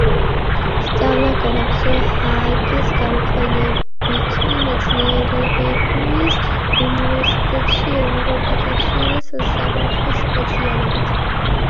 სწავლა განაგრძო ჰააგის გამოყენებითი მეცნიერებების უნივერსიტეტში ევროკავშირის სამართლის სპეციალობით.